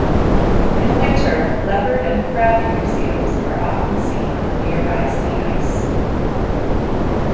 In winter leopard and crabeater seals are often seen on nearby sea ice.